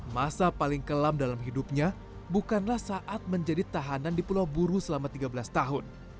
masa paling kelam dalam hidupnya bukanlah saat menjadi tahanan di pulau buru selama tiga belas tahun